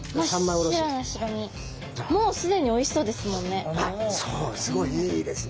もうすでにおいしそうですもんね。